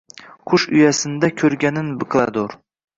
«Qush uyasinda ko’rganin qiladur»